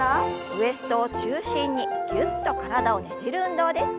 ウエストを中心にぎゅっと体をねじる運動です。